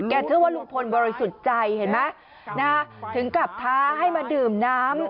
เชื่อว่าลุงพลบริสุทธิ์ใจเห็นไหมถึงกลับท้าให้มาดื่มน้ำ